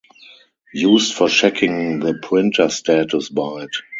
Used for checking the printer status byte.